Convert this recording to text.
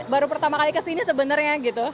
baru pertama kali ke sini sebenarnya gitu